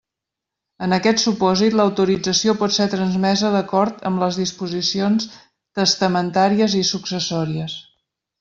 En aquest supòsit, l'autorització pot ser transmesa d'acord amb les disposicions testamentàries i successòries.